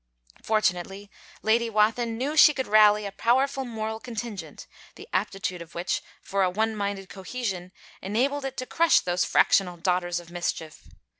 Fortunately Lady Wathin knew she could rally a powerful moral contingent, the aptitude of which for a one minded cohesion enabled it to crush those fractional daughters of mischief.